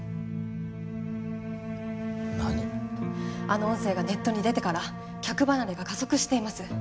あの音声がネットに出てから客離れが加速しています。